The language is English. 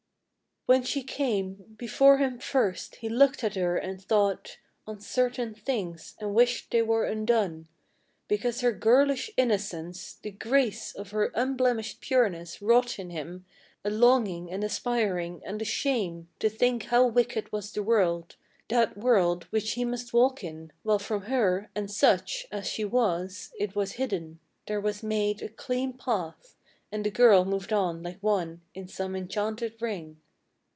When she came Before him first, he looked at her and thought On certain things, and wished they were undone, Because her girlish innocence, the grace Of her unblemished pureness, wrought in him A longing and aspiring, and a shame To think how wicked was the world — that world Which he must walk in, — while from her (and such 88 FROM QUEENS' GARDENS. As she was) it was bidden ; there was made A clean path, and the girl moved on like one In some enchanted ring.